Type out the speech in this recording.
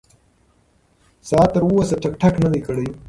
ساعت تر اوسه ټک ټک نه دی کړی.